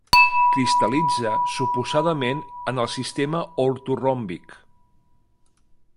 Cristal·litza suposadament en el sistema ortoròmbic.